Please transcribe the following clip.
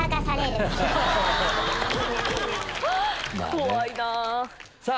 怖いなぁ。